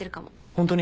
ホントに？